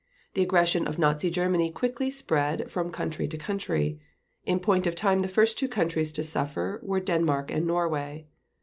The aggression of Nazi Germany quickly spread from country to country. In point of time the first two countries to suffer were Denmark and Norway.